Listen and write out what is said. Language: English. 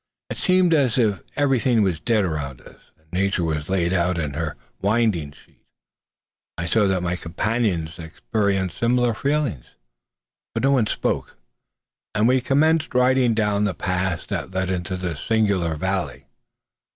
It seemed as if everything was dead around us, and Nature was laid out in her winding sheet. I saw that my companions experienced similar feelings, but no one spoke; and we commenced riding down the pass that led into this singular valley.